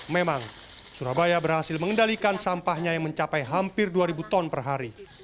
memang surabaya berhasil mengendalikan sampahnya yang mencapai hampir dua ribu ton per hari